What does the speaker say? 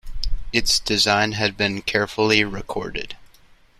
Its design had been carefully recorded.